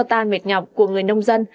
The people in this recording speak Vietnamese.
rút xua tan mệt nhọc của người nông dân